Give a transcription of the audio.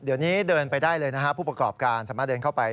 เดี๋ยวนี้เดินไปได้เลยนะครับผู้ประกอบการสามารถเดินเข้าไป